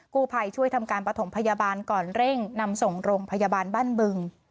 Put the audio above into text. กู้ภัยช่วยทำการประถมพยาบาลก่อนเร่งนำส่งโรงพยาบาลบ้านบึง